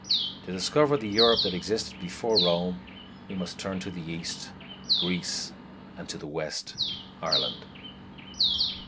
To discover the Europe that existed before Rome we must turn to the East, Greece, and to the West, Ireland.